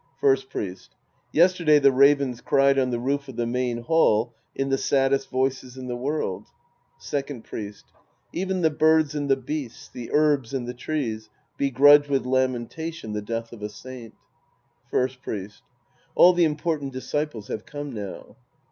First Priest. Yesterday the ravens cried on the roof of the main hall in the saddest voices in the world. Second FHest. Even the birds and the beasts, the herbs and the trees, begrudge with lamentation the death of a saint. First Priest. All the important disciples have come now.